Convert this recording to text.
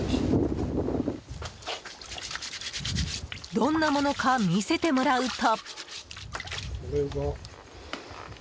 どんなものか見せてもらうと。